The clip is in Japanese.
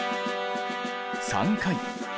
３回。